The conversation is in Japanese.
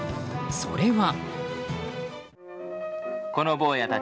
それは。